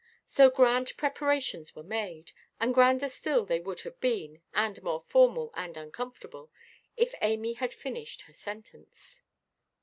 So grand preparations were made; and grander still they would have been, and more formal and uncomfortable, if Amy had finished her sentence.